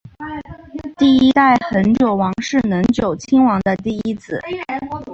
第一代恒久王是能久亲王的第一子。